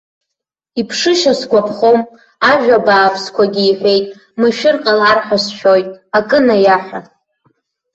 Иԥшышьа сгәаԥхом, ажәа бааԥсқәагьы иҳәеит, машәыр ҟалар ҳәа сшәоит, акы наиаҳәа!